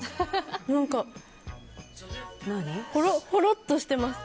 何かほろっとしてます。